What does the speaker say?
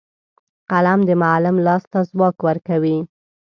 قلم د معلم لاس ته ځواک ورکوي